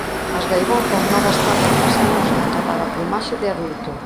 As gaivotas novas tardan tres anos en acadar a plumaxe de adulto.